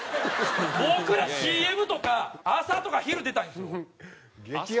僕らＣＭとか朝とか昼出たいんですよ。